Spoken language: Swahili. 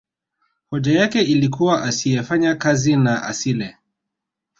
hoja yake ilikuwa asiyefanya kazi na asile